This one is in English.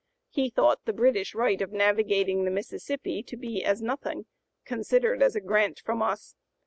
He thought "the British right of navigating the Mississippi to be as nothing, considered as a grant from us.